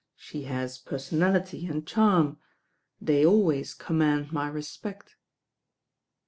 "She has personality and charm; they always command my respect."